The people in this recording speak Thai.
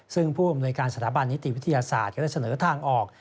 ซึ่งผู้อำนวยการสถาบันนิติวิทยาศาสตร์ก็ได้เสนอทางออก